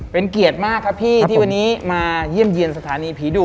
เป็นเกียรติมากครับพี่ที่วันนี้มาเยี่ยมเยี่ยมสถานีผีดุ